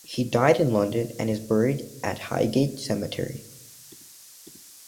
He died in London, and is buried at Highgate Cemetery.